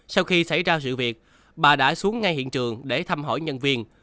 sau khi xảy ra sự việc bà đã xuống ngay hiện trường để thăm hỏi nhân viên